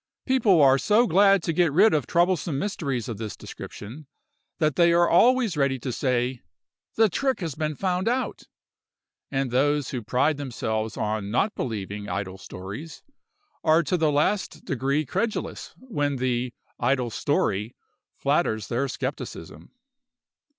People are so glad to get rid of troublesome mysteries of this description, that they are always ready to say, "The trick has been found out!" and those who pride themselves on not believing idle stories, are to the last degree credulous when "the idle story" flatters their skepticism.